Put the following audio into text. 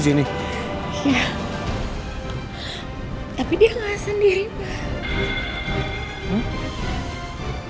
saya lagi dance sama catherine